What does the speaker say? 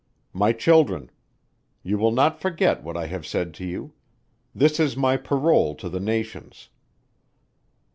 "My Children. You will not forget what I have said to you. This is my parole to the nations.